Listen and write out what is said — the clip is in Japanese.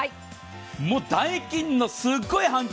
もうダイキンのすごい反響。